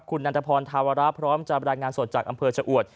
คุณนันทพรธาวระพร้อมจะรายงานสดจากอำเภอชะอวด